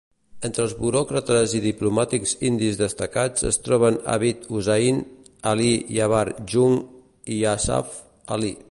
Entre els buròcrates i diplomàtics indis destacats es troben Abid Hussain, Ali Yavar Jung i Asaf Ali.